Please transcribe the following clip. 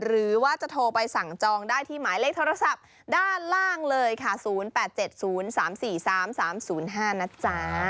หรือว่าจะโทรไปสั่งจองได้ที่หมายเลขโทรศัพท์ด้านล่างเลยค่ะ๐๘๗๐๓๔๓๓๐๕นะจ๊ะ